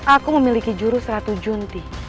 aku memiliki jurus ratu junti